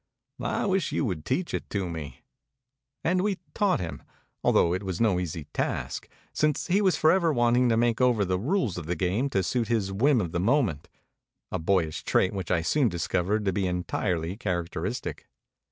"I wish you would teach me." And we taught him, altho it was no easy task, since he was forever wanting to make over the rules of the game to suit his whim of the moment, a boyish trait which I soon discovered to be en tirely characteristic.